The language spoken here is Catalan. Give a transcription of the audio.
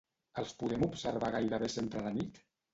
Els podem observar gairebé sempre de nit?